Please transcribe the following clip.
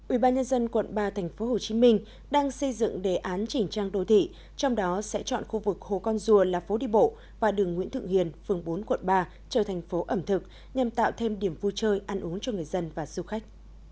ubnd quận ba tp hcm đang xây dựng đề án chỉnh trang đô thị trong đó sẽ chọn khu vực hồ con dùa là phố đi bộ và đường nguyễn thượng hiền phường bốn quận ba trở thành phố ẩm thực nhằm tạo thêm điểm vui chơi ăn uống cho người dân và du khách